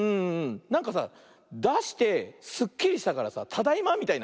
なんかさだしてすっきりしたからさ「ただいま」みたいな。